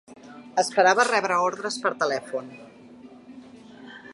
Esperava rebre ordres per telèfon